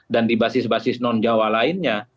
dan di basis basis non jawa lainnya